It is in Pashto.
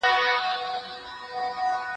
هم ئې سکڼي، هم ئې رغوي.